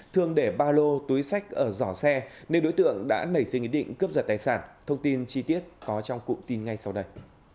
thương để ba lô túi sách ở giỏ xe nên đối tượng đã nảy sinh ý định cướp giật tài sản thông tin chi tiết có trong cụm tin ngay sau đây